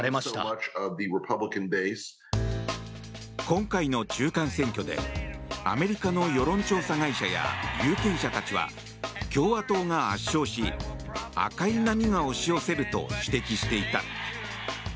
今回の中間選挙でアメリカの世論調査会社や有権者たちは共和党が圧勝し、赤い波が押し寄せると指摘していた。